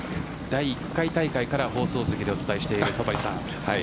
第１回大会から放送席でお伝えしている戸張さん